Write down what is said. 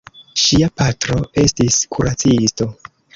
Ŝia patro estis kuracisto.